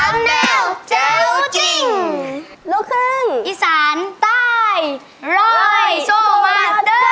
มีความฟังว่า